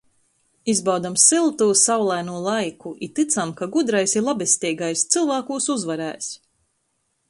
Izbaudam syltū, saulainū laiku i tycam, ka gudrais i labesteigais cylvākūs uzvarēs!...